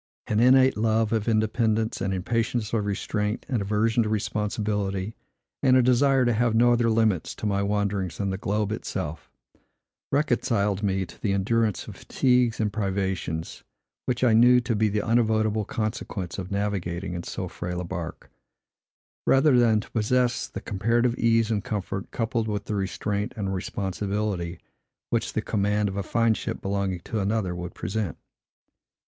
An innate love of independence, an impatience of restraint, an aversion to responsibility, and a desire to have no other limits to my wanderings than the globe itself, reconciled me to the endurance of fatigues and privations, which I knew to be the unavoidable consequence of navigating in so frail a bark, rather than to possess the comparative ease and comfort, coupled with the restraint and responsibility, which the command of a fine ship belonging to another would present.